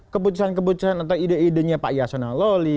keputusan keputusan atau ide idenya pak yasona loli